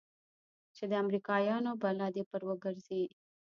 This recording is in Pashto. چې د امريکايانو بلا دې پر وګرځي.